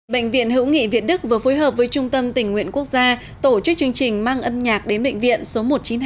bệnh viện hữu nghị việt đức vừa phối hợp với trung tâm tình nguyện quốc gia tổ chức chương trình mang âm nhạc đến bệnh viện số một trăm chín mươi hai